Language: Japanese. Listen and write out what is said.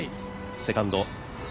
セカンド。